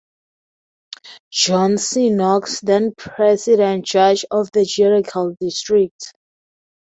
John C. Knox then President Judge of the Judicial district.